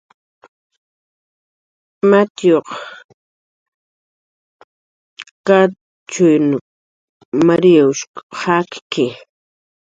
Matiyuq Kachyanw Marinawshq jakki